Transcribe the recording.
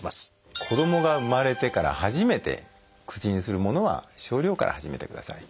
子どもが生まれてから初めて口にするものは少量から始めてください。